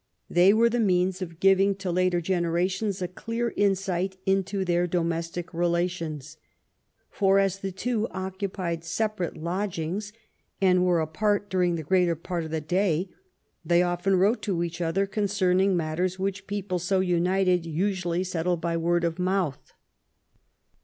They were the means of giving to later generations a <;lear insight into their domestic relations. For, as the two occupied separate lodgings and were apart during the greater part of the day, they often wrote to each other concerning matters which people so united usually settle by word of mouth.